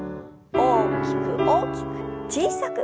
大きく大きく小さく。